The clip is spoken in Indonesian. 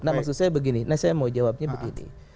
nah maksud saya begini nah saya mau jawabnya begini